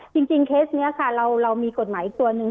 จริงเคสนี้เรามีกฎหมายอีกตัวหนึ่ง